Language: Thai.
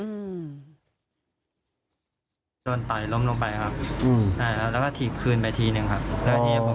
ก็มีนั่งอินล่าวมา๕๓หลวงเยอะ๑๘๑๕บาทคราบ